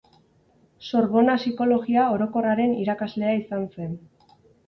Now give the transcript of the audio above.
Sorbona Psikologia Orokorraren irakaslea izan zen.